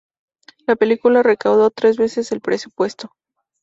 La película recaudó tres veces el presupuesto.